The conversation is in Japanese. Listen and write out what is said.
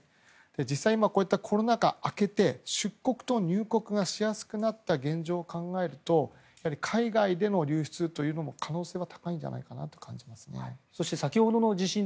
実際こういったコロナ禍が明けて出国と入国がしやすくなった現状を考えるとやはり海外での流出ということも可能性が高いと感じます。